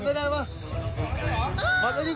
เชื่อกุกอยู่เนี่ย